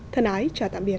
thân ái chào tạm biệt